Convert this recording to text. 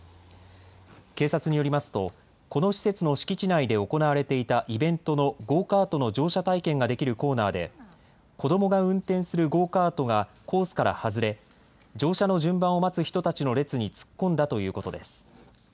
警察によりますと、この施設の敷地内で行われていたイベントのゴーカートの乗車体験ができるコーナーで、子どもが運転するゴーカートがコースから外れ、乗車の順番を待つ人たちの列に突っ込んだということです。